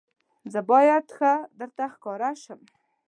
زه باید ښه درته ښکاره شم.